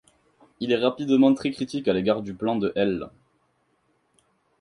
Il est rapidement très critique à l'égard du plan de l’.